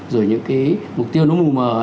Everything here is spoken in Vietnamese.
rồi những cái mục tiêu nó mù mờ